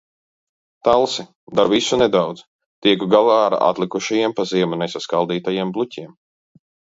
Talsi. Daru visu nedaudz – tieku galā ar atlikušajiem pa ziemu nesaskaldītajiem bluķiem.